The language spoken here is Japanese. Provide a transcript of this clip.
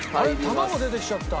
卵出てきちゃった。